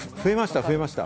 増えました。